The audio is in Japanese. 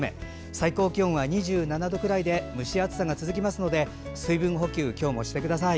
最高気温は２７度くらいで蒸し暑さが続きますので水分補給をしてください。